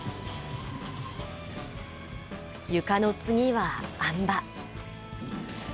ゆかの次はあん馬。